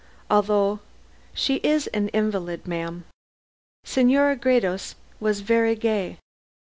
Although she is an invalid, ma'am, Senora Gredos was very gay.